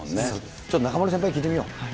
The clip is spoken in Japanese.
ちょっと中丸先輩に聞いてみよう。